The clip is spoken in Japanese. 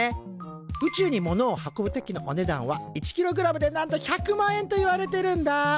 宇宙にものを運ぶ時のお値段は１ｋｇでなんと１００万円といわれてるんだ。